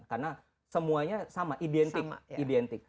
karena semuanya sama identik